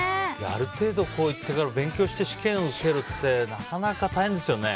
ある程度いってから勉強して試験を受けるってなかなか大変ですよね。